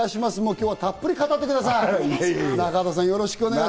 今日はたっぷり語ってください。